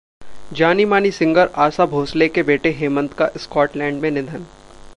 जानी मानी सिंगर आशा भोसले के बेटे हेमंत का स्कॉटलैंड में निधन